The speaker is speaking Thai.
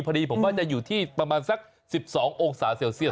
ผมว่าจะอยู่ที่สัก๑๒องศาเซลเซียส